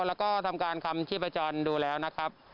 แล้วก็ทำการทำชีพจรดูแล้วนะครับ